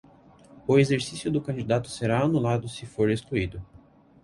O exercício do candidato será anulado se for excluído.